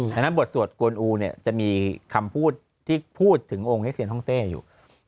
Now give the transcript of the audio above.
และบอกว่าสวดกวนอู๋จะมีคำพูดที่พูดถึงองค์เซียนฮ่องเต้อยู่